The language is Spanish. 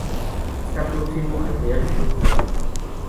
Está próximo al Real Club Náutico.